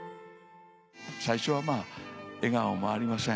最初は笑顔もありません。